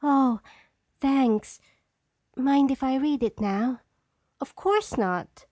"Oh, thanks. Mind if I read it now?" "Of course not."